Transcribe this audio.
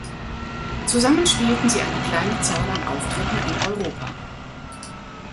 Zusammen spielten sie eine kleine Zahl an Auftritten in Europa.